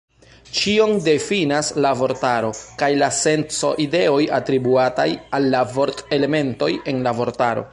Ĉion difinas la vortaro kaj la senco-ideoj atribuataj al la vort-elementoj en la vortaro.